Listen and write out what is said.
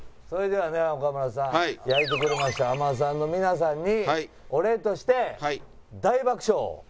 それではね岡村さん焼いてくれました海女さんの皆さんにお礼として大爆笑を。